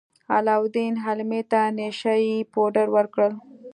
علاوالدین حلیمې ته نشه يي پوډر ورکړل.